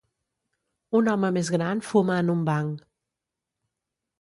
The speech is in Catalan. Un home més gran fuma en un banc.